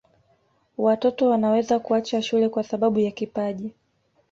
watoto wanaweza kuacha shule kwa sababu ya kipaji